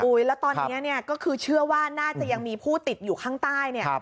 อุ๊ยแล้วตอนนี้ก็คือเชื่อว่าน่าจะยังมีผู้ติดอยู่ข้างใต้